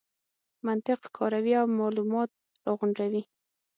منطق کاروي او مالومات راغونډوي.